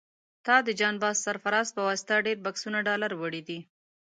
تا د جان باز سرفراز په واسطه ډېر بکسونه ډالر وړي دي.